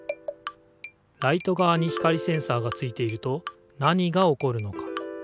ライトがわに光センサーがついていると何がおこるのか？